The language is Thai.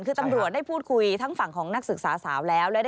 คือตำรวจได้พูดคุยทั้งฝั่งของนักศึกษาสาวแล้ว